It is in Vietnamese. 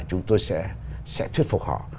chúng tôi sẽ thuyết phục họ